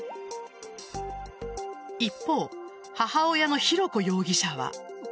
一方、母親の浩子容疑者は。